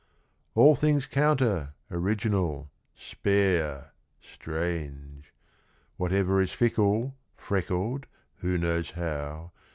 All things counter, original, spare, strange; Whatever is fickle, freckled (who knows how?)